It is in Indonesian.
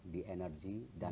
di energi dan